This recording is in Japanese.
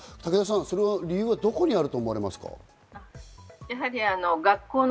その理由はどこにあると思われますか？